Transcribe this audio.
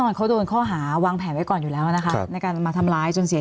มีความรู้สึกว่ามีความรู้สึกว่ามีความรู้สึกว่ามีความรู้สึกว่ามีความรู้สึกว่า